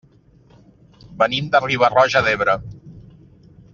Venim de Riba-roja d'Ebre.